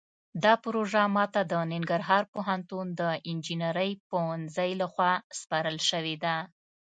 دا پروژه ماته د ننګرهار پوهنتون د انجنیرۍ پوهنځۍ لخوا سپارل شوې ده